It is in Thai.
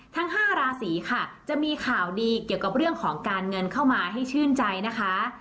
ทั้ง๕ราศีค่ะจะมีข่าวดีเกี่ยวกับเรื่องของการเงินเข้ามาให้ชื่นใจนะคะ